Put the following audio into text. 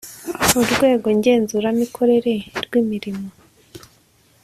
urwego ngenzuramikorere rwi mirimo